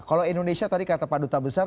kalau indonesia tadi kata pak duta besar